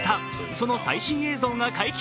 その最新映像が解禁。